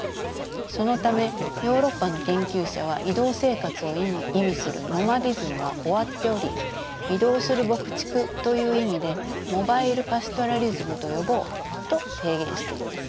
そのためヨーロッパの研究者は移動生活を意味する「ノマディズム」は終わっており移動する牧畜という意味で「モバイル・パストラリズム」と呼ぼうと提言しています。